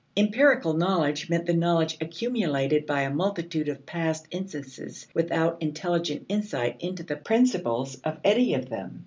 Empirical knowledge meant the knowledge accumulated by a multitude of past instances without intelligent insight into the principles of any of them.